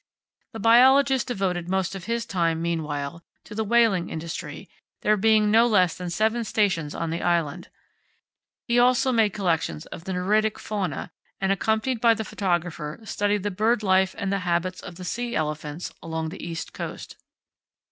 The biologist devoted most of his time, meanwhile, to the whaling industry, there being no less than seven stations on the island; he also made collections of the neritic fauna, and, accompanied by the photographer, studied the bird life and the habits of the sea elephants along the east coast.